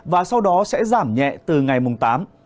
và sau đó sẽ giảm nhẹ từ ngày mùng tám